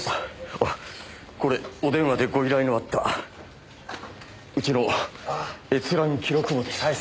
あっこれお電話でご依頼のあったうちの閲覧記録簿です。